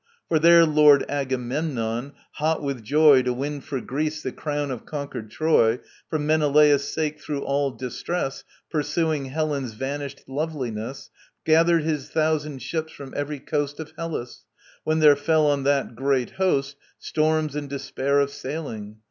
For there Lord Agamemnon, hot with joy To win for Greece the crown of conquered Troy, For Menelaus' sake through all distress Pursuing Helen's vanished loveliness, Gathered his thousand ships from every coast Of Hellas: when there fell on that great host Storms and despair of sailing.